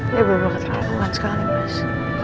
ya berbakatlah aku ga mau sekali mas